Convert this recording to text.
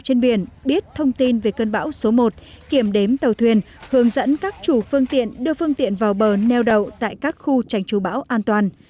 trên biển biết thông tin về cơn bão số một kiểm đếm tàu thuyền hướng dẫn các chủ phương tiện đưa phương tiện vào bờ neo đậu tại các khu tránh chú bão an toàn